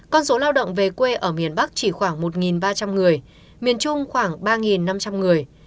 con số lao động về quê ở miền bắc chỉ khoảng một ba trăm linh người miền trung khoảng ba năm trăm linh người